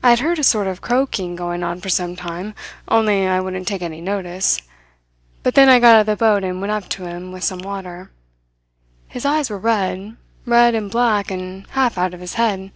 "I had heard a sort of croaking going on for some time, only I wouldn't take any notice; but then I got out of the boat and went up to him, with some water. His eyes were red red and black and half out of his head.